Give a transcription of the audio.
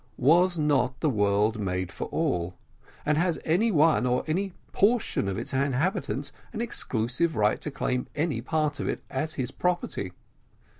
Was not the world made for all? and has any one, or any portion of its inhabitants an exclusive right to claim any part of it, as his property?